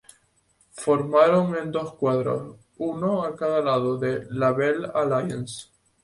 Formaron en dos cuadros, uno a cada lado de "La Belle Alliance".